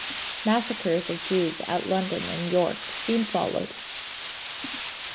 Massacres of Jews at London and York soon followed.